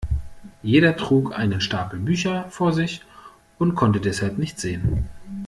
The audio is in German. Jeder trug einen Stapel Bücher vor sich und konnte deshalb nichts sehen.